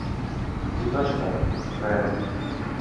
Юлдаш та, шаярып: